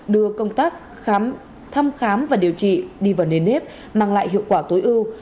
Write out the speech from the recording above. đưa công tác thăm khám và điều trị đi vào nền nếp mang lại hiệu quả tối ưu